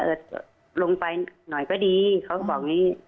เอิร์ดลงไปหน่อยก็ดี